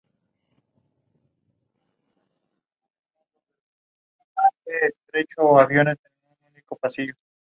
Su rango cronoestratigráfico abarca desde el Eoceno medio hasta la Actualidad.